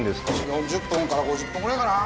４０分から５０分ぐらいかな